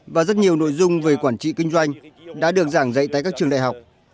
và rất nhiều nội dung về quản trị kinh doanh đã được giảng dạy tại các trường đại học